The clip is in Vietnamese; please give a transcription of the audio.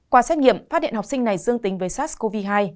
qua xét nghiệm phát điện học sinh này dương tính với sars cov hai